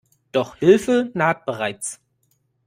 Doch Hilfe naht bereits.